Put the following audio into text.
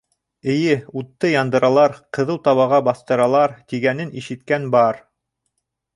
Эйе, утта яндыралар, ҡыҙыу табаға баҫтыралар, тигәнен ишеткән бар.